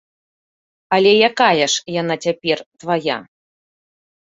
Але якая ж яна цяпер твая.